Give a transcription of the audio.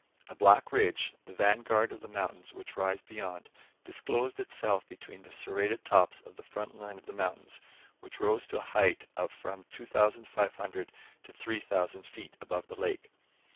A back ridge the vanguard of the mountains which rise beyond disclosed itself between the serrated tops of the front line of mountains, which rose to a height of from 2,500 to 3,000 feet above the lake.